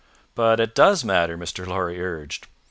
"But it does matter," Mr. Lorry urged.